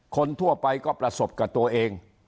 คนทั่วไปก็ประสบกับตัวเอง